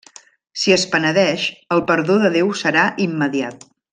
Si es penedeix, el perdó de Déu serà immediat.